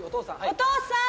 「お父さん」